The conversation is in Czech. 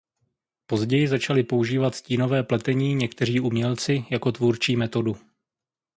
Později začali používat stínové pletení někteří umělci jako tvůrčí metodu.